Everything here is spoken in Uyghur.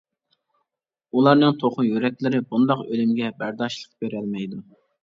ئۇلارنىڭ توخۇ يۈرەكلىرى بۇنداق ئۆلۈمگە بەرداشلىق بېرەلمەيدۇ.